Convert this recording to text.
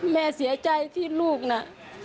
แม่เสียใจที่ลูกน่ะ